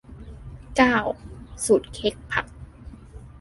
เก้า สูตรเค้กผัก